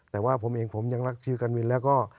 แต่ว่าผมเองผมยังรักชิลการวินแล้วก็